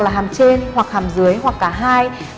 là hàm trên hoặc hàm dưới hoặc cả hai